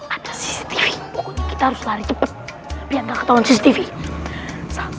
ada cctv kita harus lari cepet biar nggak ketahuan